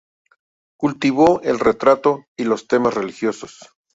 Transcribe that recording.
Cultivó el retrato y los temas religiosos.